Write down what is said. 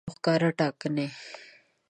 پټې او ښکاره ټاکنې